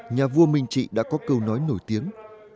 nhà vua minh trị đã có câu nói nổi tiếng